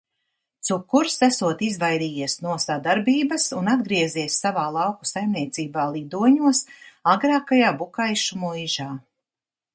"Cukurs esot izvairījies no sadarbības un atgriezies savā lauku saimniecībā "Lidoņos" agrākajā Bukaišu muižā."